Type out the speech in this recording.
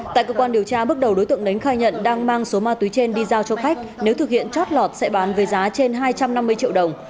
tại cơ quan điều tra bước đầu đối tượng đánh khai nhận đang mang số ma túy trên đi giao cho khách nếu thực hiện chót lọt sẽ bán với giá trên hai trăm năm mươi triệu đồng